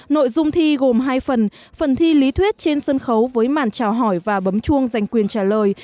nội dung thi gồm hai phần phần thi lý thuyết trên sân khấu với màn trào hỏi và bấm chuông dành quyền trả lời